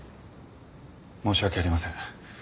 申し訳ありません。